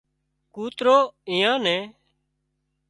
ڪوترو ايئان نين